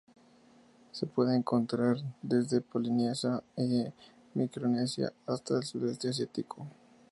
Se puede encontrar desde Polinesia y Micronesia hasta el sudeste asiático.